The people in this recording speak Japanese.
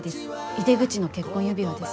井出口の結婚指輪です。